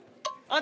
あ！